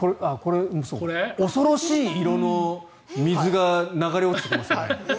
恐ろしい色の水が流れ落ちてきますからね。